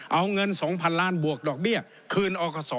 เอาเงิน๒๐๐๐ล้านบวกดอกเบี้ยคืนอกศ